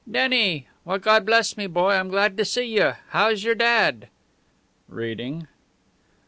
"Denny? Why, God bless me, boy, I'm glad to see you! How's your dad?" "Reading."